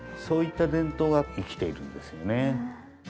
そういった伝統が生きているんですよね。